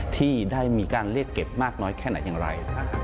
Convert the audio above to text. ที่ได้มีการเรียกเก็บมากน้อยแค่ไหนอย่างไร